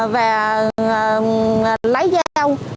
và lấy dao